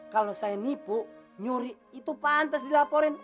kalau saya nipu nyuri itu pantas dilaporin